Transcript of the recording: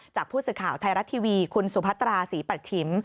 จากผู้สื่อข่าวไทยรัฐทีวีคุณสุพัตราศรีปัชชิม